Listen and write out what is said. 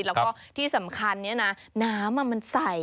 แล้วก็ที่สำคัญเนี่ยนะน้ำมันใส่